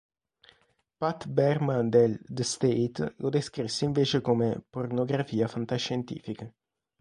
Pat Berman del "The State" lo descrisse invece come "pornografia fantascientifica".